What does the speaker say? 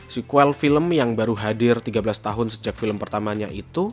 sequel film yang baru hadir tiga belas tahun sejak film pertamanya itu